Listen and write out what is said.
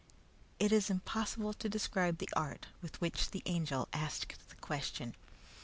It is impossible to describe the art with which the Angel asked the question.